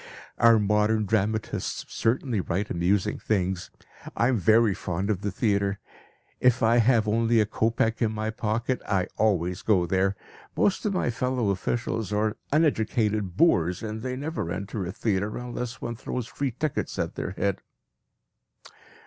Our modern dramatists certainly write amusing things. I am very fond of the theatre. If I have only a kopeck in my pocket, I always go there. Most of my fellow officials are uneducated boors, and never enter a theatre unless one throws free tickets at their head.